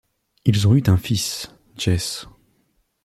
Ils ont eu un fils, Jesse.